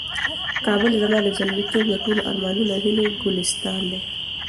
کابل زما د زلمیتوب د ټولو ارمانونو او هیلو ګلستان دی.